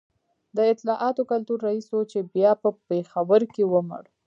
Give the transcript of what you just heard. د اطلاعاتو کلتور رئیس و چي بیا په پېښور کي ومړ